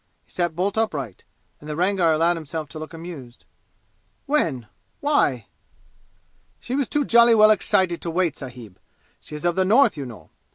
He sat bolt upright, and the Rangar allowed himself to look amused. "When? Why?" "She was too jolly well excited to wait, sahib! She is of the North, you know.